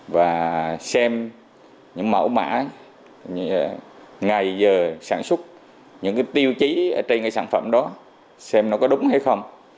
và xem những mẫu mã ngày giờ sản xuất những cái tiêu chí trên cái sản phẩm đó xem nó có đúng hay không